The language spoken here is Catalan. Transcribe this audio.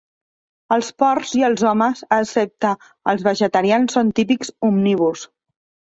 Els porcs i els homes, excepte els vegetarians, són típics omnívors.